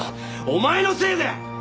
お前のせいで！